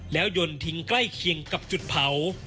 แล้วยนต์ทิ้งใกล้เคียงกับจุดเผา